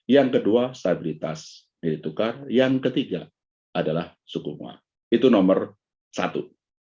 yang kedua stabilitas nilai tukar yang ketiga adalah suku bunga itu nomor satu